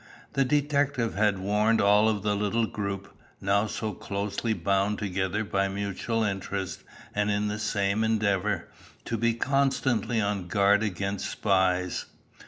The detective had warned all of the little group, now so closely bound together by mutual interest and in the same endeavour, to be constantly on guard against spies.